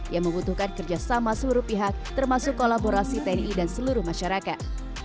yang membutuhkan kerjasama seluruh pihak termasuk kolaborasi tni dan seluruh masyarakat